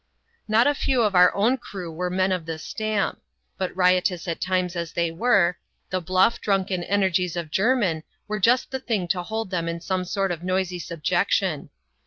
Not a few of our own crew were men of this stamp ; but riotous at times as they were, the bluff, drunken energies of Jerrain were just the thing to hold them in some sort of noisy subjection.